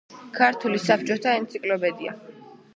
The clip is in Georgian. ქართული საბჭოთა ენციკლოპედია.